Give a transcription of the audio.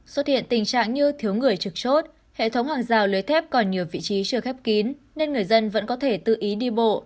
xuất hiện tình trạng như thiếu người trực chốt hệ thống hàng rào lưới thép còn nhiều vị trí chưa khép kín nên người dân vẫn có thể tự ý đi bộ